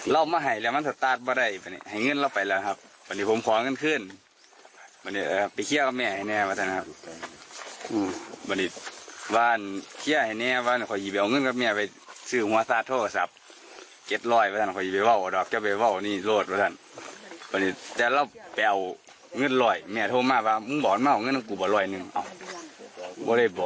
เรื่องจุดเริ่มต้นพงศักดิ์ไปตัวเอกพลไนท์ไง